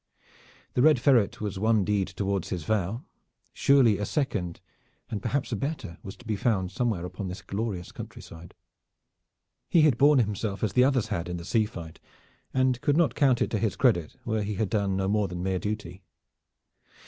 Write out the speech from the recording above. The Red Ferret was one deed toward his vow. Surely a second, and perhaps a better, was to be found somewhere upon this glorious countryside. He had borne himself as the others had in the sea fight, and could not count it to his credit where he had done no more than mere duty.